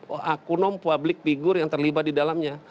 oknum public figure yang terlibat di dalamnya